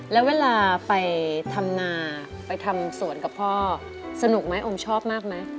แล้วเวลาไปทำนาไปทำสวนกับพ่อสนุกไหมอมชอบมากไหม